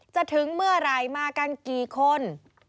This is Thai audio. ถึงเมื่อไหร่มากันกี่คน